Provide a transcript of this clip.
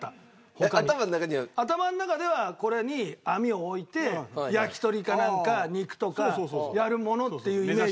えっ頭の中には？頭の中ではこれに網を置いて焼き鳥かなんか肉とかやるものっていうイメージ。